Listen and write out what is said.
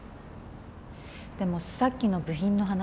でもさっきの部品の話。